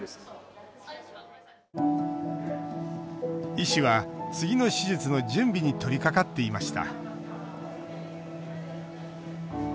医師は次の手術の準備に取りかかっていました。